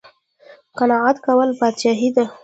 قناعت کول پادشاهي ده